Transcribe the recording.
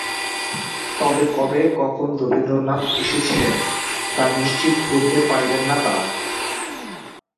তবে কবে-কখন রবীন্দ্রনাথ এসেছিলেন, তা নিশ্চিত করতে পারলেন না তারা।